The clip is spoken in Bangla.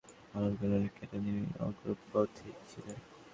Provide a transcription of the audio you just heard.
নানা ক্ষেত্রে বৈচিত্র্যময় ভূমিকা পালন করে অনেক ক্ষেত্রে তিনি অগ্রপথিক ছিলেন।